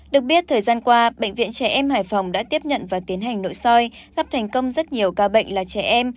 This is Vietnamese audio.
được biết thời gian qua bệnh viện trẻ em hải phòng đã tiếp nhận và tiến hành nội soi gấp thành công rất nhiều ca bệnh là trẻ em